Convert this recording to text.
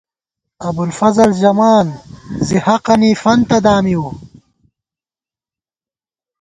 ابوالفضل ژمان زی حقَنی فنتہ دامِیؤ